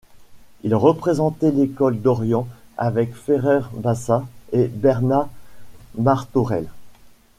Il représentait l'école d'orient avec Ferrer Bassa et Bernat Martorell.